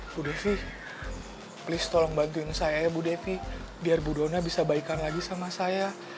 bu devi please tolong bantuin saya ya bu devi biar bu dona bisa baikan lagi sama saya